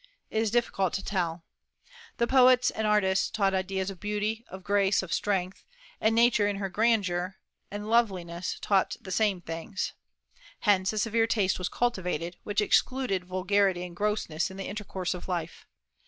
It is difficult to tell. The poets and artists taught ideas of beauty, of grace, of strength; and Nature in her grandeur and loveliness taught the same things. Hence a severe taste was cultivated, which excluded vulgarity and grossness in the intercourse of life.